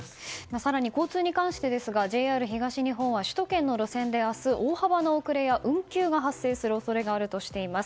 更に交通に関してですがＪＲ東日本は首都圏の路線で明日大幅な遅れや運休が発生する恐れがあるとしています。